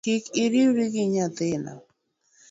Kik iriwri gi nyathini